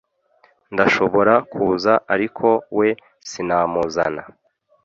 ndashobora kuza ariko we sinamuzana